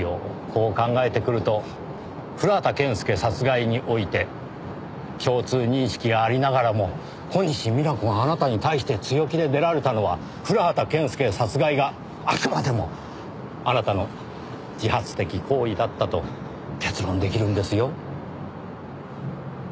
こう考えてくると古畑健介殺害において共通認識がありながらも小西皆子があなたに対して強気で出られたのは古畑健介殺害があくまでもあなたの自発的行為だったと結論出来るんですよ。